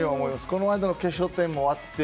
この間の決勝点もあるし。